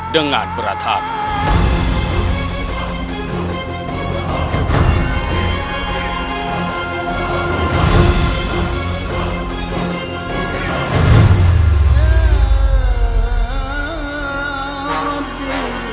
dengan berat hati